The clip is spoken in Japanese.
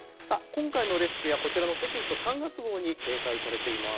今回のレシピはこちらのテキスト３月号に掲載されています。